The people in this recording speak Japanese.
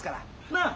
なあ？